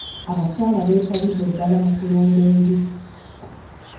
Abakyala b'etabidde ddala mu kulunda enjuki.